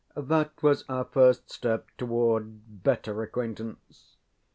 That was our first step toward better acquaintance.